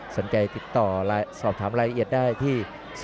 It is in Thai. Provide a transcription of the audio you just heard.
สนใจติดต่อสอบถามรายละเอียดได้ที่๐๓๔๓๙๙๒๖๒